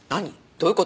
どういう事？